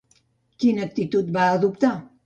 Quina actitud va adoptar?